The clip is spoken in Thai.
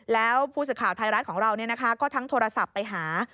แล้วผู้สื่อข่าวไทยรัฐของเราก็ทั้งโทรศัพท์ไปหา